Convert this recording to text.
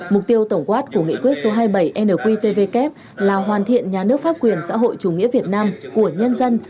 mục tiêu tổng quát của nghị quyết số hai mươi bảy nqtvk là hoàn thiện nhà nước pháp quyền xã hội chủ nghĩa việt nam của nhân dân